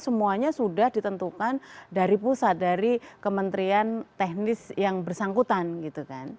semuanya sudah ditentukan dari pusat dari kementerian teknis yang bersangkutan gitu kan